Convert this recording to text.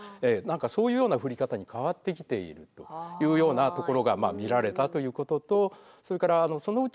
そういうような降り方に変わってきているというようなところが見られたということとそれからそのうちの一回はですね